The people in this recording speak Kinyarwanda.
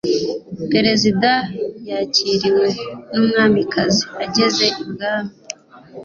perezida yakiriwe n'umwamikazi ageze ibwami